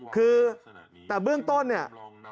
คือแต่เบื้องต้นเนี่ย